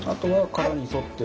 殻に沿って。